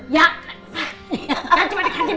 ya kan cuma dikakin